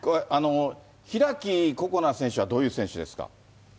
開心那選手はどういう選手ですか？